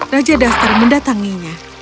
raja duster mendatanginya